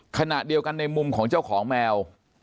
ขณะเดียวกันในมุมของเจ้าของแมว